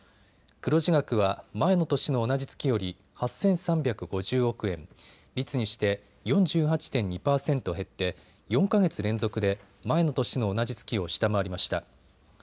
黒字額は前の年の同じ月より８３５０億円、率にして４８．２％減って、４か月連続で前の年の同じ月を下回りました。